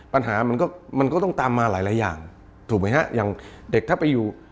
ปัญหามันก็มันก็ต้องตามมาหลายอย่างถูกไหมฮะอย่างเด็กถ้าไปอยู่